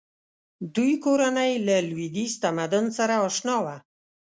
دوی کورنۍ له لویدیځ تمدن سره اشنا وه.